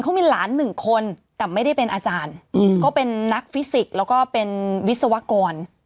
เขามีหลานหนึ่งคนแต่ไม่ได้เป็นอาจารย์ก็เป็นนักฟิสิกส์แล้วก็เป็นวิศวกร